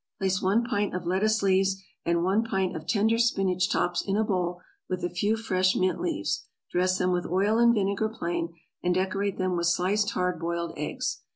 = Place one pint of lettuce leaves, and one pint of tender spinach tops in a bowl with a few fresh mint leaves, dress them with oil and vinegar plain, and decorate them with sliced hard boiled eggs.